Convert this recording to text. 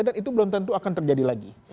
dan itu belum tentu akan terjadi lagi